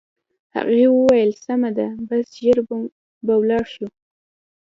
هغې وویل: سمه ده، بس ژر به ولاړ شو.